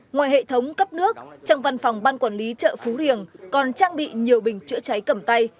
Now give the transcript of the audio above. ngoài hệ thống cấp nước trong văn phòng ban quản lý chợ phú riêng còn trang bị nhiều bình chữa cháy cầm tay